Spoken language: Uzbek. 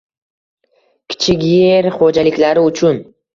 kichik yer xo‘jaliklari uchun